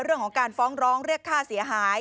เรื่องของการฟ้องร้องเรียกค่าเสียหาย